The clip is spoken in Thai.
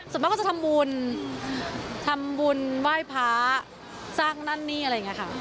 ส่วนมากก็จะทำบุญทำบุญไหว้พระสร้างนั่นนี่อะไรอย่างนี้ค่ะ